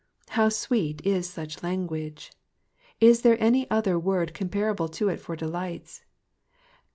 How sweet is such language ! Is there any other word comparable to it for delights